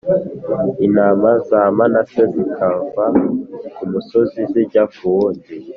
intama za Manase zikava ku musozi zijya ku wundi